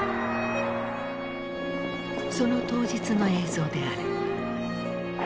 その当日の映像である。